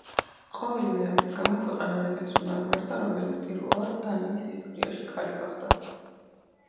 ყოველივე ამის გამო, ქვეყანა რეგენტს უნდა ემართა, რომელიც პირველად დანიის ისტორიაში ქალი გახდა.